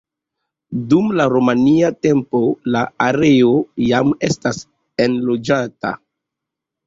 Dum la Romia tempo la areo jam estas enloĝata.